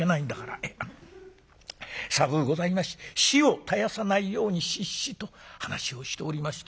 あっ寒うございまして火を絶やさないように『火っ火っ！』と話をしておりました」。